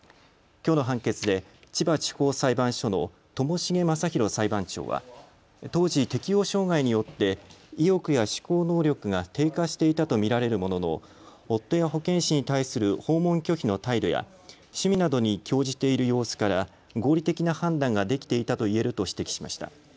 きょうの判決で千葉地方裁判所の友重雅裕裁判長は当時、適応障害によって意欲や思考能力が低下していたと見られるものの夫や保健師に対する訪問拒否の態度や趣味などに興じている様子から合理的な判断ができていたと言えると指摘しました。